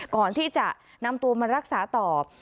ก่อนที่จะนำตัวมารักษาต่อ